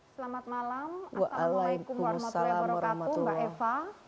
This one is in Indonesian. selamat malam assalamualaikum warahmatullahi wabarakatuh mbak eva